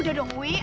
udah dong wi